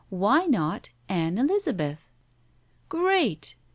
Why not Ann Elizabeth?" Great!"